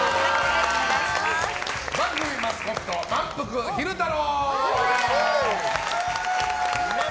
番組マスコット、まんぷく昼太郎。